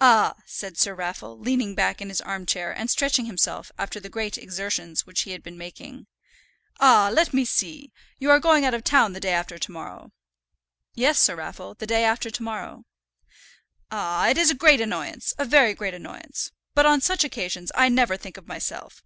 "Ah," said Sir Raffle, leaning back in his arm chair, and stretching himself after the great exertions which he had been making "Ah, let me see! You are going out of town the day after to morrow." "Yes, Sir Raffle, the day after to morrow." "Ah! it's a great annoyance, a very great annoyance. But on such occasions I never think of myself.